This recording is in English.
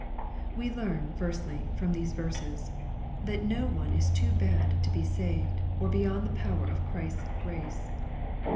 We learn, firstly, from these verses, that no one is too bad to be saved, or beyond the power of Christ's grace.